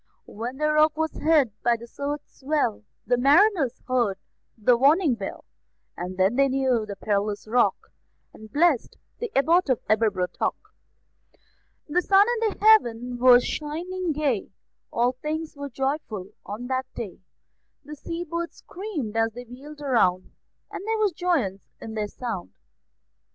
When the Rock was hid by the surge's swell, The mariners heard the warning bell; And then they knew the perilous Rock, And blessed the Abbot of Aberbrothock. The sun in heaven was shining gay; All things were joyful on that day; The sea birds screamed as they wheeled round, And there was joyance in their sound.